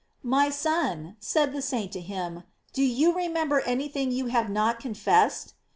"My son," said the saint to him, "do you remem ber any thing you have not confessed